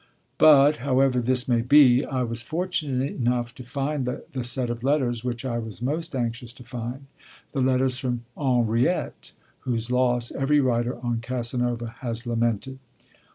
But, however this may be, I was fortunate enough to find the set of letters which I was most anxious to find: the letters from Henriette, whose loss every writer on Casanova has lamented.